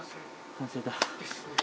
完成だ。